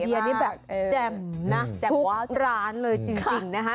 ไอเดียนี่แบบแจ้งทุกร้านเลยจริง